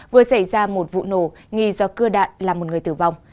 vừa xảy ra một vụ nổ nghi do cưa đạn là một người tử vong